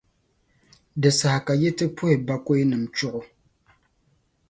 di saha ka yi ti puhi bakɔinima chuɣu.